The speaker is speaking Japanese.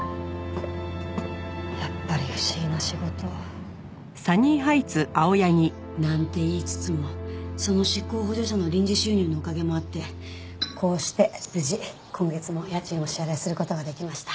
やっぱり不思議な仕事。なんて言いつつもその執行補助者の臨時収入のおかげもあってこうして無事今月も家賃をお支払いする事ができました。